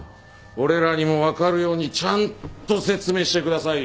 俺らにも分かるようにちゃんと説明してくださいよ。